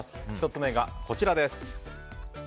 １つ目がこちらです。